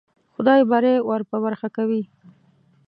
خدای بری ور په برخه کوي.